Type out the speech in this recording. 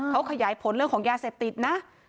เขาขยายผลเรื่องของยาเสพติดนะ